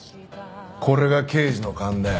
これが刑事の勘だよ。